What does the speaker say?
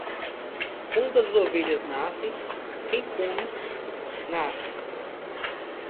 Quando as ovelhas nascem, quem come, nasce.